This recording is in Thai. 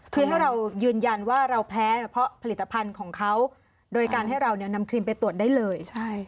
คือถ้าเรายืนยันว่าเราแพ้เพราะผลิตภัณฑ์ของเขาโดยการให้เรานำครีมไปตรวจได้เลย